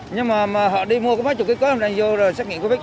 nhưng mà họ đi mua có mấy chục cái cớ đang vô rồi xét nghiệm covid một mươi chín